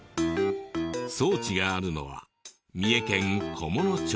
装置があるのは三重県菰野町。